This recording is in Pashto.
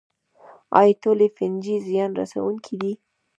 ایا ټولې فنجي زیان رسوونکې دي